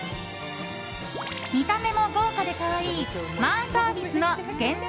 見た目も豪華で可愛いマーサービスの限定